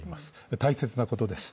大切なことです。